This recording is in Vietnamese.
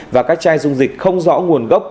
và các chai dung dịch không rõ nguồn gốc